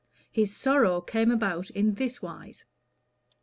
His sorrow came about in this wise.